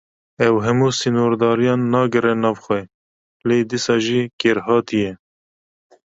Ew hemû sînordariyan nagire nav xwe, lê dîsa jî kêrhatî ye.